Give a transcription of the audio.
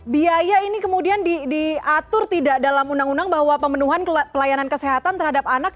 biaya ini kemudian diatur tidak dalam undang undang bahwa pemenuhan pelayanan kesehatan terhadap anak